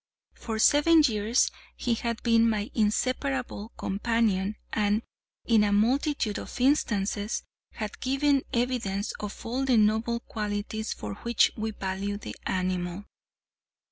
For seven years he had been my inseparable companion, and in a multitude of instances had given evidence of all the noble qualities for which we value the animal.